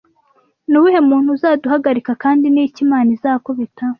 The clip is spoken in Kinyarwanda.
Ni uwuhe muntu uzaduhagarika, kandi ni iki Imana izakubita?